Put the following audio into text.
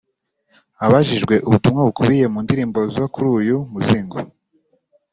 Abajijwe ubutumwa bukubiye mu ndirimbo zo kuri uyu muzingo